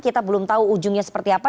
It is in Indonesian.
kita belum tahu ujungnya seperti apa